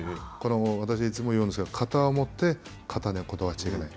私いつも言うんですけど型を持って型にこだわっちゃいけない。